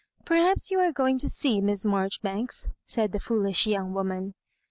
'^ Perhaps you are going to see Miss Marjoribanks," said the foolish young wo man.